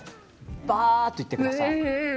バーッといってください。